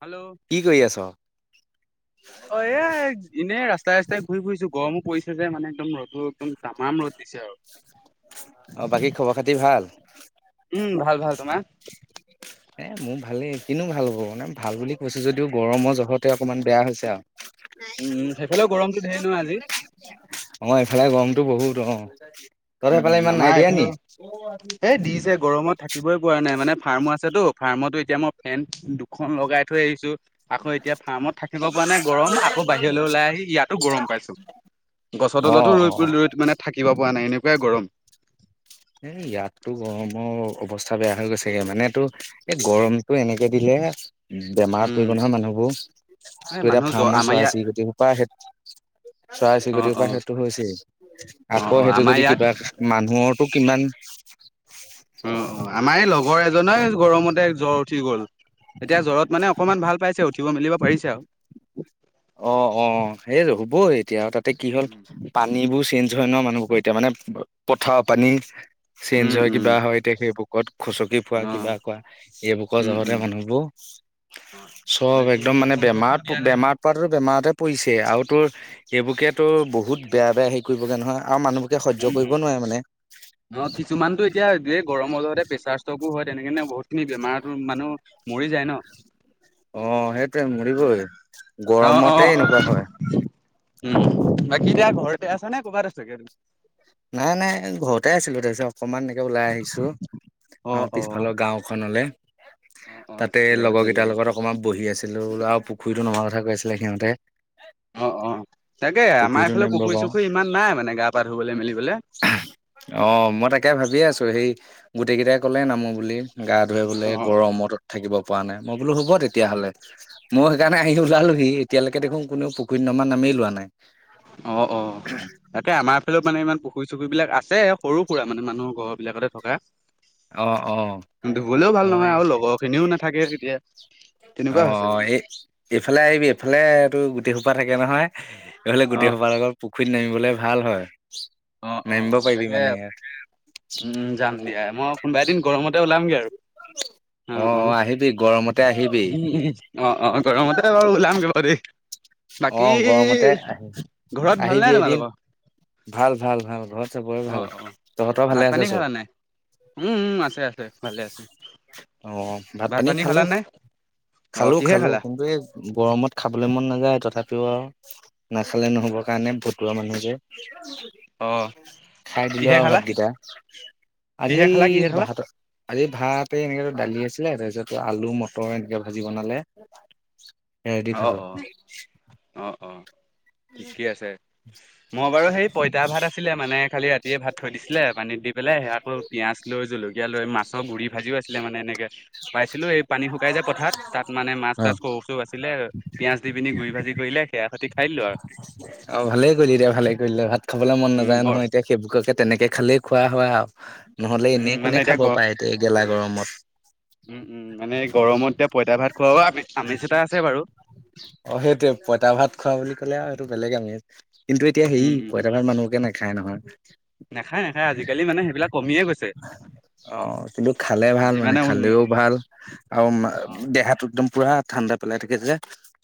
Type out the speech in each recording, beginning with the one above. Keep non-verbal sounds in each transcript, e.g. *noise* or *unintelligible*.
Hello কি কৰি আছ? অ, এ এনেই ৰাস্তাই-ৰাস্তাই ঘূৰি ফুৰিছো গৰমো পৰিছে যে মানে। একদম ৰ'দো একদম তামাম ৰ'দ দিছে অ বাকী আৰু। খবৰ খাতি ভাল? উম ভাল-ভাল। তোমাৰ? এ মোৰ ভালেই, কিনো ভাল হ'ব মানে ভাল বুলি কৈছো যদিও গৰমৰ জহতে অকনমান বেয়া হৈছে আৰু। উম সেইফালেও গৰমতো ধেৰ নহয় আজি অ', এইফালে গৰমটো বহুত অ'। তহঁতৰ সেইফালে উম'-উম', ইমান আমাৰ নাই দিয়া এইফালে নি? এই দিছে গৰমত থাকিবই প নাই মানে ফাৰ্ম পছতো ফাৰ্মতো এতিয়া মই ফেন দুখন লগাই থৈ আহিছো। আকৌ এতিয়া ফাৰ্মত থাকিব পৰা নাই গৰম, আকৌ বাহিৰলৈ ওলাই আহি ইয়াতো গৰম পাইছো। গছৰ অ তলতো অ ৰৰু ৰই মানে থাকিব পৰা নাই এনেকুৱাই গৰম। এ ইয়াতো গৰমৰ অৱস্থা বেয়া হৈ গৈছেগে, মানে তোৰ এই গৰমতটো এনেকে দিলে বেমাৰত পৰিব উম নহয় মানুহবোৰ, এই তোৰ এতিয়া মানুহ জ ফাৰ্মৰ আমাৰ ইয়াত চৰাইছি গতি প সেই চৰাই অ চিৰিকতিৰ অ পৰা সেইটো হৈছেই। অ আকৌ অ সেইটো আমাৰ যদি ইয়াত কিবা মানুহৰ। অঁ কিমান! ঘৰ এজনে গৰমতে জ্বৰ উঠি গ'ল। এতিয়া জ্বৰত মানে অকমান ভাল পাইছে উঠিব মেলিব পাৰিছে আৰু। অঁ অঁ সেইটো হ'বই এতিয়া তাতে কি হ'ল উম পানীবোৰহ চেঞ্জ হয় ন মানুহবোৰ এতিয়া মানে পথাৰ পানী চেঞ্জ হয় উম কিবা হয় এতিয়া সেইবোৰকত। খুচকি ফোৱা অ কিবা কোৱা এইবোৰৰ উম জহতে উম মানুহ চব বাকী একদম মানে বৰষুণ বেমাৰ, চৰষুণো দিয়া নাই মানে বেমাৰ পৰা টোত বেমাৰতে পৰিছে আৰু তোৰ এইবোৰোকে তো বহুত বেয়া বেয়া হেৰি কৰিবগে নহয় আৰু মানুহবোৰকে সহ্য কৰিব নোৱাৰে মানে। অঁ কিছুমানতো এতিয়া গৰমৰ অহতে প্ৰেচাৰ ষ্টক হয়। তেনেকেনে বহুত খিনি বেমাৰতো মানুহ মৰি যায় ন। অঁ সেইটোৱে মৰিবই অ অ গৰমতে এনেকুৱা হয় উম', বাকী এতিয়া ঘৰতে আছা নে ক'বাত আছগে তুমি? নাই-নাই ঘৰতে আছিলো তাৰ পিছত অকমান এনেকে ওলাই আহিছো। অ, পিছফালৰ গাওখনলে। অ অ তাতে ঠিকে আছে লগৰ ঠিকে কেইটাৰ আছে। লগত অকমান বহি আছিলো আৰু পুখুৰীতটো নমোৱা কথা কৈ আছিলে সিহঁতে। অঁ অঁ তাকে আমাৰ পুখুৰীটো এইফালে পুখুৰী চুখুৰী ইমান নাই মানে গা পা ধুবলৈ মেলি। অঁ মই তাকে ভাবিয়ে আছো সেই গোটেই কেইটাই ক'লে নামো বুলি গা ধুৱে বোলে অ অ গৰমত থাকিব পৰা নাই মই বোলো হব। তেতিয়াহ'লে মই উম সেইকাৰণে আহি ওলালোহি এতিয়ালৈক দেখোন কোনো পুখুৰী নমা নামেই লোৱা নাই। অঁ অঁ তাকে আমাৰফালত মানে ইমান পুখুৰী চুকুৰি বিলাক আছে সৰু সুৰা মানে মানুহৰ ঘৰ বিলাকতে থকা। অ অ ধুবলেও ভাল নহয় হয় আৰু লগৰ খিনিও নাথাকে। তেতিয়া তেনেকুৱা হৈছে অঁ মানে। এই এইফালে আহিবি এইফালেটো গোটেই সোপা থাকে নহয়। এই ফালে গোটেই অ', সোপাৰ লগত পুখুৰীত নামিবলৈ ভাল হয়। অ', অ', নামিব অ', পাৰিবি তাকে মানে ইয়াৰ উম, যাম দিয়া মই কোনোবা এদিন গৰমতে ওলামগৈ আৰু। অঁ অঁ আহিবি। গৰমতে আহিবি উ অঁ অঁ গৰমতে বাৰু ওলামগে দেই। বাকী অঁ গৰমতে আহি ঘৰত ভাল নাই আহিবি এদিন তোমালোকৰ? ভাল ভাল। ভাল ভাল ঘৰত চবৰে অ', ভাল অ', তহঁতৰ ভাত ভালে পানী আছে খালা নাই? উম, উম, চব। আছে আছে ভালে আছে। অঁহ ভাত পানী খালো। অ', খালো কিহে খালো খালা? কিন্তু এই গৰমত খাবলৈ মন নাযায় তথাপি। পিও নাখালে নহব কাৰণে ভতুৱা মানুহ যে অ', খাই দিলো কিহে আৰু খালা? ভাতকেইটা আজি কিহে খালা কিহে খালা? ভাত আজি ভাত এই এনেকো দালি আছিলে তাৰপিছত আলু মটৰ এনেকে ভাজি বনালে। হে দি অ', খালো ঠিকেই আছে। মই বাৰু সেই পইতা ভাত আছিলে মানে কালি ৰাতিয়ে ভাত থৈ দিছিলে পানীত দি পেলাই আকৌ পিয়াজ লৈ জলকীয়া লৈ মাছৰ গুৰি ভাজিও আছিলে মানে এনেকে পাইছিলো এই পানী শুকাই যায় পথাৰত তাত মানে মাছ অ তাছ কচো আছে পিয়াজ দি পিনি গুৰি ভাজি কৰিলে সেয়া সতি খাই দিলো আৰু অঁ ভালে কৰিলি দে ভালে কৰিলি ভাত খাবলে মন উম গ নাযায় নহয় এতিয়া সেইবোৰকে তেনেকে খালেই। খোৱা শুৱা। নহ'লে উম এনেই মানে কোনে এতিয়া খাব গ পায় এতে এই গেলা গৰমত উম উম মানে গৰমত এতিয়া পইতা ভাত খোৱাাব আম আমেজ এটা আছে বাৰু অঁ সেইটোৱেই পইতা ভাত খোৱা বুলি ক'লে আৰু সেইটো বেলেগ আমি কিন্তু এতিয়া উম হেৰি উম পইতা ঘত মানুহকে নাখায় নহয় নাখায় নাখায় আজিকালি মানে সেইবিলাক কমিয়ে গৈছে। অ কিন্তু খালে ভাল মানে যিমানে উন খালেও ভাল আৰু অ দেহাটো একদম পুৰা ঠাণ্ডা পেলাই থাকি যে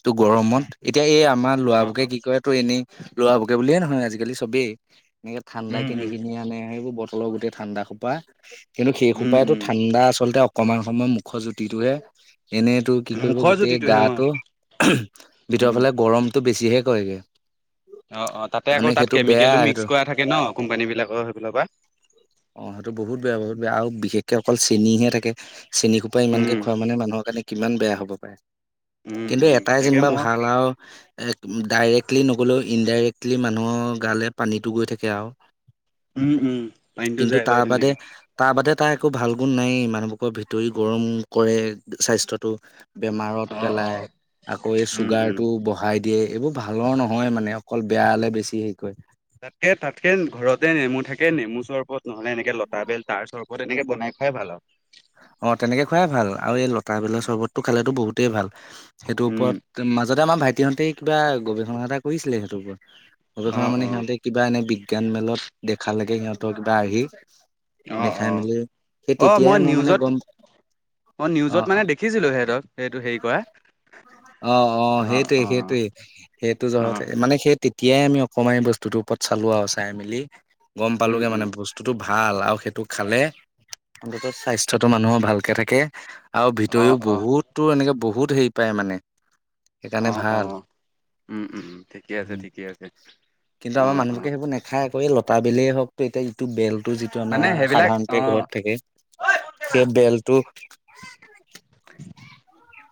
ত অ গৰমত এতিয়া এই আমাৰ অ অ লৰাবোকে কি কৰে তোৰ লৰা বকে বুলিয়ে নহয় আজিকালি চবেই এনেকে ঠাণ্ডা উম কিনি উম কিনি আনে সেইবোৰ ব টলৰ গোটেই ঠাণ্ডা সোপা কিন্তু সেই উম সোপাই টো উম ঠাণ্ডা আচলতে ক্ৰমান কমান মুখৰ জুতিটোহে এনেইতো কি কৰিব মুখৰ গোটেই জুতিটোহে অ গাটো ভিতৰ উম ফালে গৰম টো বেছিহে কৈগে। অঁ অঁ তাতে আকৌ তাত কেমিকেলো সেইটো মিক্স কৰা থাকে ন কোম্পানীবিলাকৰ সেইফালৰ পৰা। অ সেইটো বহুত বেয়া বহুত বেয়া আৰু বিশেষকে অকল চেনিহে থাকে চেনী খোপা ইমানকে উম, খোৱা মানে মানুহৰ কাৰণে কিমান বেয়া হ'ব পাৰে। *unintelligible* উম, কিন্তু উম, এটাই তাকে যেনিবা মই ভাল আও এক ডাইৰেক্টলি নগ'লেও ইনডাইৰেক্টলি মানুহৰ গালে পানীটো গৈ থাকে আও। *unintelligible* উম, উম, পানীটো কিন্তু যায় বাৰু তাৰ বাদে তেনেকে তাৰ বাদে টা একো ভাল গুণ নাই এ মানুহবোৰক ভিতৰি গৰম কৰে স্বাস্থ্য টো। বেমাৰত অ', পেলাই অ', আকৌ এই উম, উম। চুগাৰতটো বঢ়াই দিয়ে এইবোৰ ভালৰ নহয় মানে অকল বেয়ালে বেছি। কৰে তাকে তাকেন ঘৰতে নেমু থাকে নেমু চৰ্বত নহলে এনে লতা বেল তাৰ চৰ্বত এনেকে বনাই খাই ভাল আৰু। অ তেনেকে খোৱাই ভাল আৰু এই লতা বেলৰ চৰ্বতটো খালেতো বহুতেই ভাল, সেইটোৰ উম, ওপৰত *unintelligible* মাজতে আমাৰ ভাইটিহঁতে কিবা গৱেষণ এটা কৰিছিলে সেইটোওপৰত, গৱেষণা অ', মানে অ', সিহঁতে কিবা এনে বিষ কেন মেলত দেখা লগে সিহঁতৰ কিবা আহি অ', দেখাই অ'। মেলি সেই অ', তেতিয়াই মই মই মানে নিউজত গম অ নিউজত মানে দেখিছিলোঁ হেহঁতক। অ অ সেইটোয়ে সেইটোয়ে সেইটো জহতে অ', মানে সেই তেতিয়াই আমি অকণমানি এই বস্তুত টো ওপৰত চালো আৰু চাই মেলি গম পালো উম, গে উম, মানে বস্তুতটো *unintelligible* ভাল আৰু সেইটো খালে স্বাস্থ্যতটো মানুহৰ ভালকে থাকে। আৰু ভিতৰিও অ', অ', বহুত বহুত হেৰি পায় মানে সেইকাৰণে অ', ভাল অ', উম, উম, ঠিকে আছে ঠিকে আছে কিন্তু আমাৰ অ', মানুহ অ', সেইবোৰ নেখাই অক লতা বেলই হওক তো এতিয়া ইটো বেল *unintelligible* টো যিটো মানে আমাৰ সেইবিলাক সাধাৰণতে অ', অ ঘৰত থাকে ঐ ফোন কেলা সেই বেলটো *unintelligible* *inaudible*